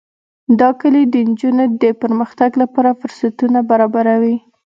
دا کلي د نجونو د پرمختګ لپاره فرصتونه برابروي.